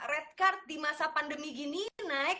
redcard di masa pandemi gini naik